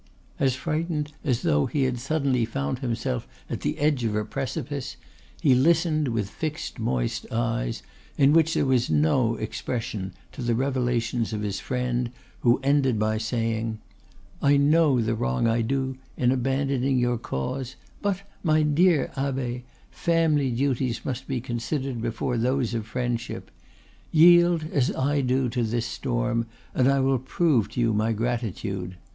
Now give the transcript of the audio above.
As frightened as though he had suddenly found himself at the edge of a precipice, he listened, with fixed, moist eyes in which there was no expression, to the revelations of his friend, who ended by saying: "I know the wrong I do in abandoning your cause; but, my dear abbe, family duties must be considered before those of friendship. Yield, as I do, to this storm, and I will prove to you my gratitude.